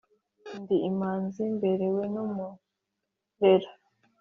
Ndi imanzi mberewe n’umurera.